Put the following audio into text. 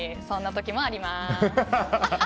そんな時もあります。